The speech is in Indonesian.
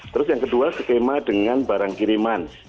terus yang kedua skema dengan barang kiriman